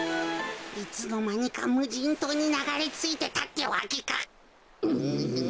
いつのまにかむじんとうにながれついてたってわけか。